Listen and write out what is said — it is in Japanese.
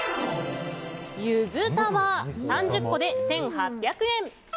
ゆずたま、３０個で１８００円！